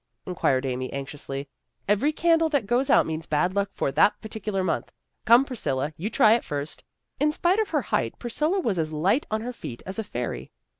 " inquired Amy anxiously. " Every candle that goes out means bad luck for that particular month. Come, Priscilla. You try it first." In spite of her height, Priscilla was as light on her feet as a fairy.